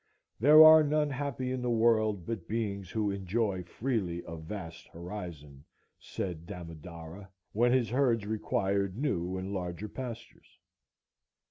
"There are none happy in the world but beings who enjoy freely a vast horizon,"—said Damodara, when his herds required new and larger pastures.